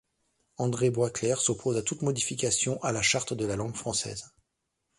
André Boisclair s'oppose à toute modification à la Charte de la langue française.